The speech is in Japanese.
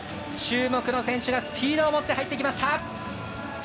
注目の選手がスピードをもって入ってきました。